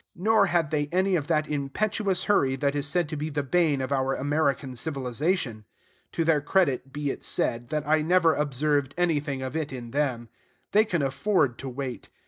Nor had they any of that impetuous hurry that is said to be the bane of our American civilization. To their credit be it said, that I never observed anything of it in them. They can afford to wait.